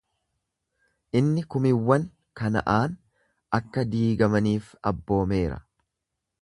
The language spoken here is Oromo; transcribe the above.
Inni kumiwwan Kana'aan akka diigamaniif abboomeera.